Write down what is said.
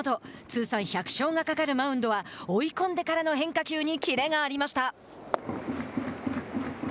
通算１００勝がかかるマウンドは追い込んでからの変化球にキレがありました。